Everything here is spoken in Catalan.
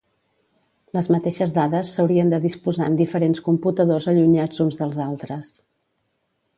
Les mateixes dades s'haurien de disposar en diferents computadors allunyats uns dels altres.